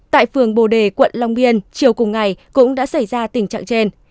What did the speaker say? tại phường bồ đề quận long biên chiều cùng ngày cũng đã xảy ra tình trạng trên